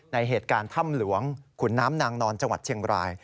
ในเหตุการณ์ถ้ำหลวงขุนน้ำนางนอนจังหวัดเชียงราย